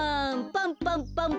パンパンパン。